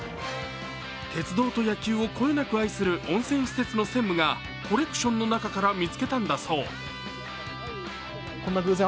鉄道と野球をこよなく愛する温泉施設の専務がコレクションの中から見つけたんだそう。